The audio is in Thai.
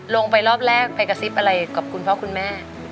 ลงไปรอบแรกไปกระซิบอะไรกับคุณพ่อคุณแม่